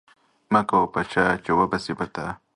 مکوه په چا چی و به سی په تا